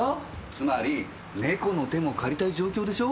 つまり猫の手も借りたい状況でしょ？